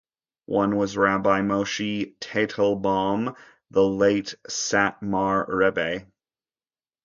One was Rabbi Moshe Teitelbaum, the late Satmar Rebbe.